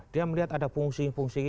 dia melihat ada fungsi fungsi